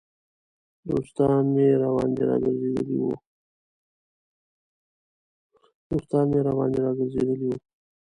دوستان مې راباندې را ګرځېدلي وو.